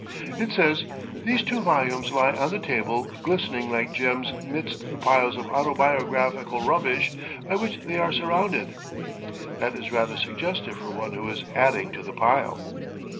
It says: "These two volumes lie on the table glistening like gems 'midst the piles of autobiographical rubbish by which they are surrounded." That is rather suggestive for one who is adding to the pile.